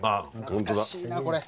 懐かしいなこれ。